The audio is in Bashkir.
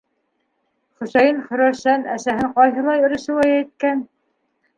Хөсәйен, хөрәсән, әсәһен ҡайһылай рисуай иткән.